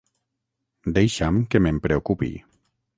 Deixa que me'n preocupi.